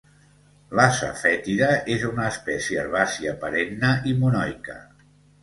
L'asafètida és una espècie herbàcia perenne i monoica.